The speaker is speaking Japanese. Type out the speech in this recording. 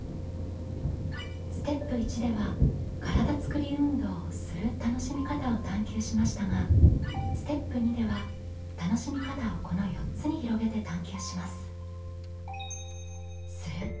ステップ１では体つくり運動をする楽しみ方を探究しましたがステップ２では楽しみ方をこの４つに広げて探究します。